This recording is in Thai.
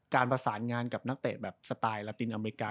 การประสานงานกับนักเตะแบบสไตล์ลาตินอเมริกา